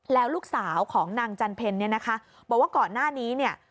แล้วลูกสาวของนางจันเพ็ญบอกว่าก่อนหน้านี้